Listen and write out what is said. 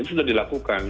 itu sudah dilakukan